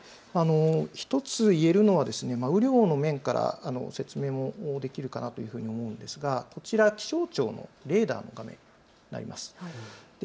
１つ言えるのは雨量の面から説明もできるかなと思うんですがこちら気象庁のレーダーの画面になります。